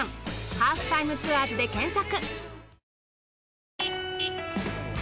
『ハーフタイムツアーズ』で検索。